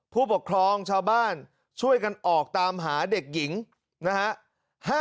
ผู้ปกครองชาวบ้านช่วยกันออกตามหาเด็กหญิงนะฮะ